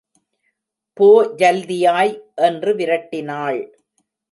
போ ஜல்தியாய்! என்று விரட்டினாள்.